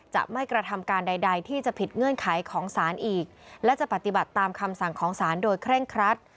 จะไม่กระทำการใดที่จะผิดเงื่อนไขของศาลอีกและจะปฏิบัติตามคำสั่งของศาลโดยเคร่งครัด